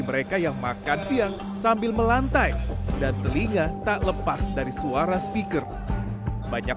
mereka yang makan siang sambil melantai dan telinga tak lepas dari suara speaker banyak